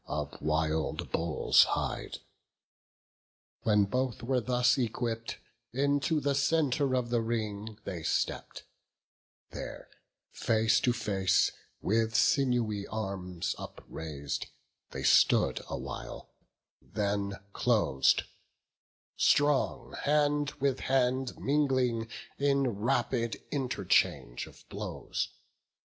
Of wild bull's hide. When both were thus equipp'd, Into the centre of the ring they stepp'd: There, face to face, with sinewy arms uprais'd, They stood awhile, then clos'd; strong hand with hand Mingling, in rapid interchange of blows.